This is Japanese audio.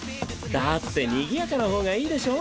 だってにぎやかな方がいいでしょ？